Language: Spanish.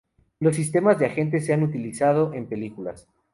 Los sistemas de agente se han utilizado en películas.